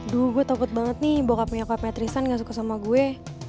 duh gue takut banget nih bokapnya bokapnya tristan gak suka sama gue